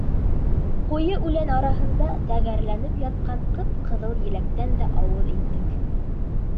Ҡуйы үлән араһында тәгәрләтеп ятҡан ҡып-ҡыҙыл еләктән дә ауыҙ иттек.